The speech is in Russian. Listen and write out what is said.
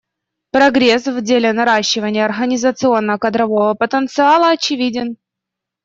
Прогресс в деле наращивания организационно-кадрового потенциала очевиден.